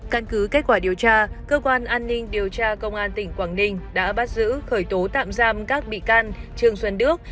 căn cứ kết quả điều tra cơ quan an ninh điều tra công an tỉnh quảng ninh đã bắt giữ khởi tố tạm giam các bị can trương xuân đức